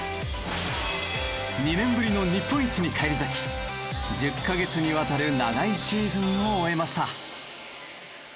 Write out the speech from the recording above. ２年ぶりの日本一に返り咲き１０カ月にわたる長いシーズンを終えました。